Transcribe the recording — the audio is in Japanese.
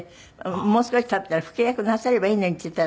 「もう少し経ったら老け役なさればいいのに」って言ったら。